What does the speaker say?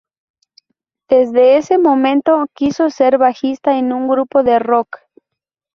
Desde ese momento, quiso ser bajista en un grupo de rock.